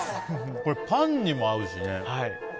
これ、パンにも合うしね。